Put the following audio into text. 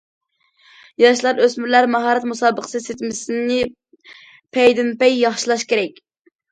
ياشلار، ئۆسمۈرلەر ماھارەت مۇسابىقىسى سىستېمىسىنى پەيدىنپەي ياخشىلاش كېرەك.